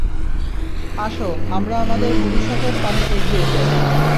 আসো আমরা আমাদের ভবিষ্যতের পানে এগিয়ে যাই।